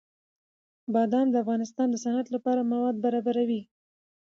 بادام د افغانستان د صنعت لپاره مواد برابروي.